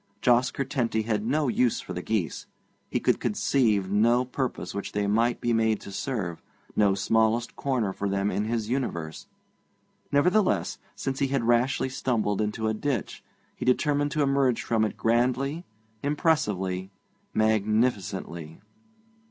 Jos Curtenty had no use for the geese; he could conceive no purpose which they might be made to serve, no smallest corner for them in his universe. Nevertheless, since he had rashly stumbled into a ditch, he determined to emerge from it grandly, impressively, magnificently.